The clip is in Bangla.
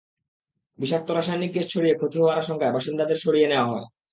বিষাক্ত রাসায়নিক গ্যাস ছড়িয়ে ক্ষতি হওয়ার আশঙ্কায় বাসিন্দাদের সরিয়ে নেওয়া হয়।